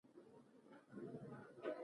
ملګری د بدو ورځو تر ټولو لویه ډال دی